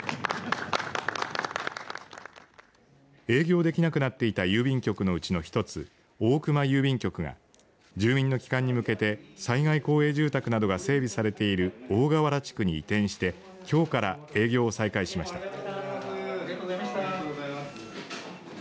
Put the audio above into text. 営業できなくなっていた郵便局のうちの１つ、大熊郵便局が住民の帰還に向けて災害公営住宅などが整備されている大川原地区に移転してきょうから営業を再開しました。